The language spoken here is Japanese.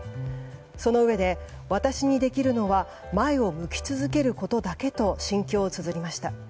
そのうえで、私にできるのは前を向き続けることだけと心境をつづりました。